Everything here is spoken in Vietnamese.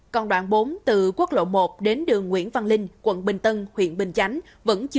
còn đoạn bốn từ quốc lộ một đến đường nguyễn văn linh quận bình tân huyện bình chánh